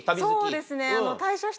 そうですね。